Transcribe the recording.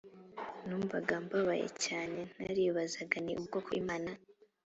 numvaga mbabaye cyane naribazaga nti ubu koko imana